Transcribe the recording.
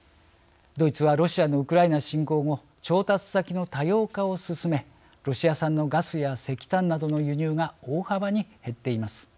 ドイツはロシアのウクライナ侵攻後調達先の多様化を進めロシア産のガスや石炭などの輸入が大幅に減っています。